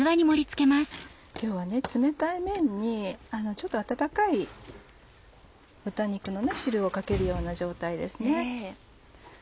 今日は冷たいめんに温かい豚肉の汁をかけるような状態です。